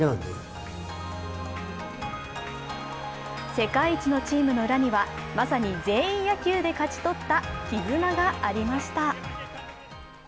世界一のチームの裏にはまさに全員野球で勝ち取ったきずながありました。